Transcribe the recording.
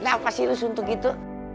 kenapa sih lo suntuk gitu